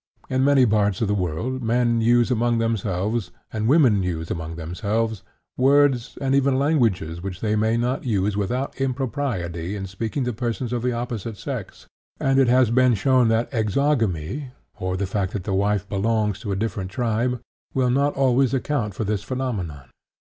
In many parts of the world, men use among themselves, and women use among themselves, words and even languages which they may not use without impropriety in speaking to persons of the opposite sex, and it has been shown that exogamy, or the fact that the wife belongs to a different tribe, will not always account for this phenomenon.